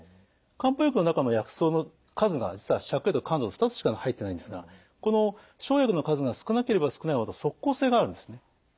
漢方薬の中の薬草の数が芍薬と甘草の２つしか入ってないんですがこの生薬の数が少なければ少ないほど即効性があるんですね。